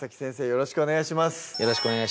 よろしくお願いします